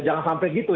jangan sampai gitu